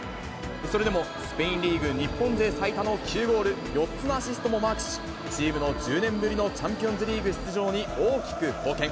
それでもスペインリーグ日本勢最多の９ゴール、４つのアシストもマークし、チームの１０年ぶりのチャンピオンズリーグ出場に大きく貢献。